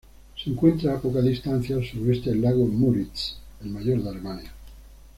Se encuentra a poca distancia al sureste del lago Müritz, el mayor de Alemania.